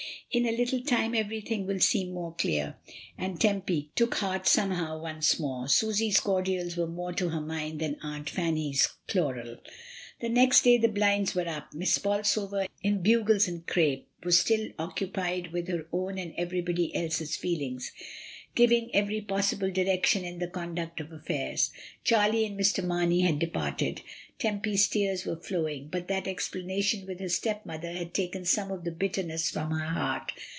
In a little time everything will seem more clear." And Tempy took heart somehow once more. SvLsfs cordials were more to her mind than Aunt Fanny's chloral. The next day the blinds were up. Miss Bolsover, in bugles and crape, was still occupied with her own and everybody else's feelings, giving every 38 MRS. DYMOND. possible direction in the conduct of affairs. Charlie and Mr. Mamey had departed. Tempy's tears were flowing; but that explanation with her stepmother had taken some of the bitterness from her heart.